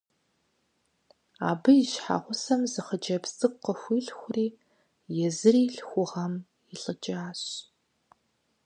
Абы и щхьэгъусэм зы хъыджэбз цӀыкӀу къыхуилъхури езыри лъхугъэм илӀыкӀащ.